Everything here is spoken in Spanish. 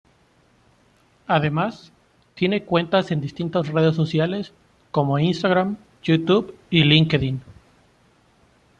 Además, tiene cuentas en distintas redes sociales, como Instagram, Youtube y Linkedin.